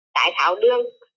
tải thảo đường